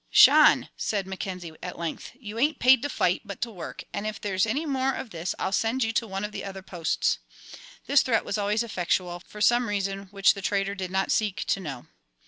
"Chan," said Mackenzie, at length, "you ain't paid to fight, but to work; and if there's any more of this I'll send you to one of the other posts." This threat was always effectual, for some reason which the trader did not seek to know.